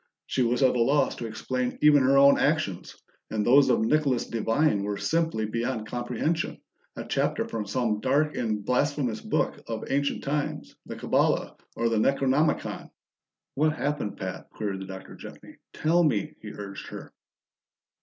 She was at a loss to explain even her own actions, and those of Nicholas Devine were simply beyond comprehension, a chapter from some dark and blasphemous book of ancient times the Kabbala or the Necronomicon. "What happened, Pat?" queried the Doctor gently. "Tell me," he urged her.